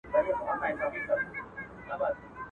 ډېري سترگي به كم كمي له سرونو.